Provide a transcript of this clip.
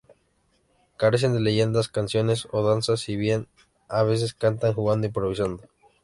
Carecen de leyendas, canciones o danzas, si bien a veces cantan jugando, improvisando.